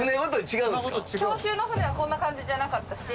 教習の船はこんな感じじゃなかったし。